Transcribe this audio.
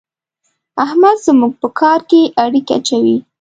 احمد زموږ په کار کې اړېکی اچوي.